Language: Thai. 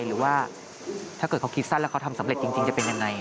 หรือว่าถ้าเกิดเขาคิดสั้นแล้วเขาทำสำเร็จจริงจะเป็นยังไง